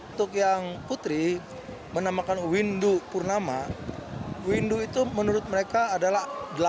untuk yang putri menamakan windu purnama windu itu menurut mereka adalah delapan